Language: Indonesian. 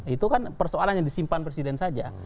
itu kan persoalan yang disimpan presiden saja